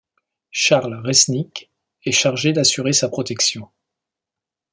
Charles Resnick est chargé d’assurer sa protection.